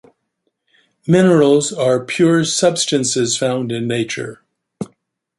Minerals are pure substances found in nature.